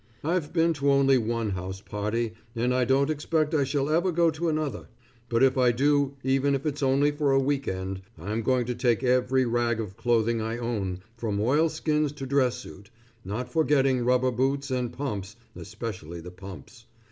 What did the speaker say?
I've been to only one house party, and I don't expect I shall ever go to another; but if I do even if it's only for a week end, I'm going to take every rag of clothing I own from oilskins to dress suit, not forgetting rubber boots and pumps, especially the pumps.